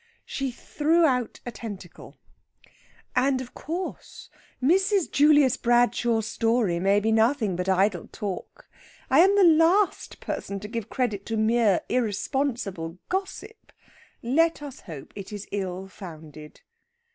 She threw out a tentacle. "And, of course, Mrs. Julius Bradshaw's story may be nothing but idle talk. I am the last person to give credit to mere irresponsible gossip. Let us hope it is ill founded."